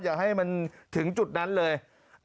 อย่าให้มันถึงจุดนั้นเลย